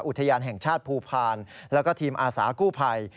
อุทยานแห่งชาติภูพาลแล้วก็ทีมอาสากู้ภัย